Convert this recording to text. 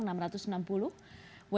satu puluh puluh